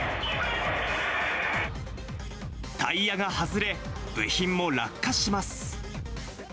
タイヤが外れ、部品も落下します。